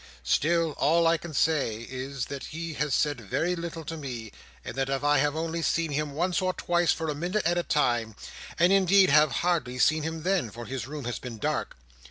Still, all I can say is, that he has said very little to me; and that I have only seen him once or twice for a minute at a time, and indeed have hardly seen him then, for his room has been dark.